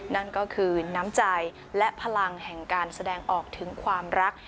นั่นก็คือน้ำใจและพลังแห่งการแสดงออกถึงความรัก